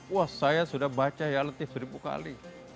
wah saya sudah baca ya letih seribu kali